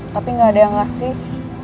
tapi gak ada yang ngasih